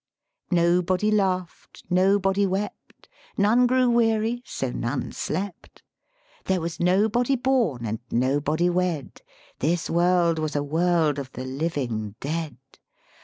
Nobody laugh'd, nobody wept; None grew weary, so none slept; There was nobody born, and nobody wed; This world was a world of the living dead.